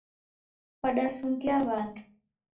Wadasungia w'andu.